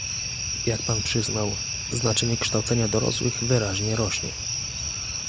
Jak pan przyznał, znaczenie kształcenia dorosłych wyraźnie rośnie